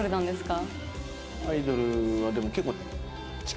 アイドルはでも結構。